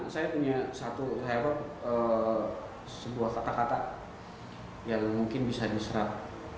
saya punya satu kata kata yang mungkin bisa diserah